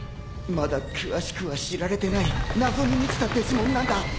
まだ詳しくは知られてない謎に満ちたデジモンなんだ。